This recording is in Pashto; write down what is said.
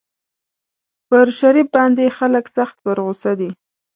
پر شریف باندې خلک سخت په غوسه دي.